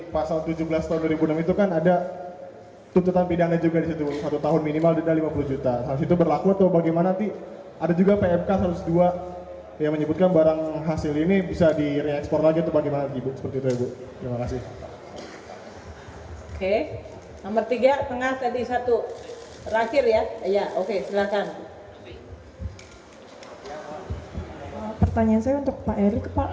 pertanyaan saya untuk pak erick